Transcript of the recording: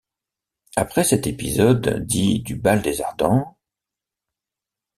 Après cet épisode dit du Bal des Ardents.